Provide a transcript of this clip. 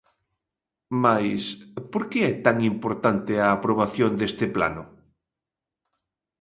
Mais, porque é tan importante a aprobación deste plano?